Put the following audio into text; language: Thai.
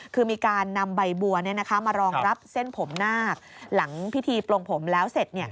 คือมีการนำใบบัวมารองรับเส้นผมนาคหลังพิธีปลงผมแล้วเสร็จ